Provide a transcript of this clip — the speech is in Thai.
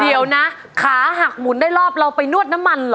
เดี๋ยวนะขาหักหมุนได้รอบเราไปนวดน้ำมันเหรอ